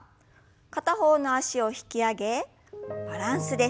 片方の脚を引き上げバランスです。